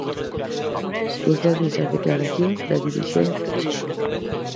Sucédense as declaracións da dirixencia de En Marea.